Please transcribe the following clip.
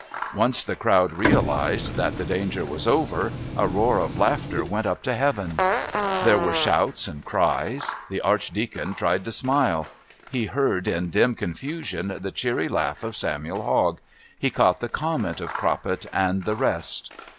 Once the crowd realised that the danger was over a roar of laughter went up to heaven. There were shouts and cries. The Archdeacon tried to smile. He heard in dim confusion the cheery laugh of Samuel Hogg, he caught the comment of Croppet and the rest.